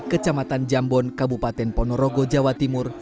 kecamatan jambon kabupaten ponorogo jawa timur